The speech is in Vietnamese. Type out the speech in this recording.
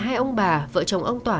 hai ông bà vợ chồng ông tỏa